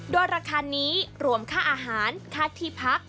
โดยราคานี้รวมค่าอาหารค่าที่พัก